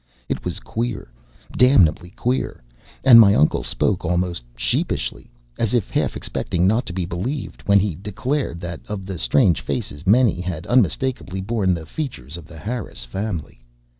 It was queer damnably queer and my uncle spoke almost sheepishly, as if half expecting not to be believed, when he declared that of the strange faces many had unmistakably borne the features of the Harris family.